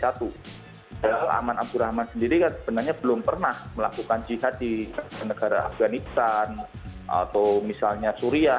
aman abdurrahman sendiri kan sebenarnya belum pernah melakukan jihad di negara afganistan atau misalnya suria